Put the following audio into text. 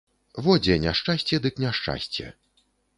Во дзе няшчасце дык няшчасце.